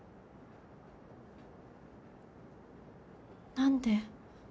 何で。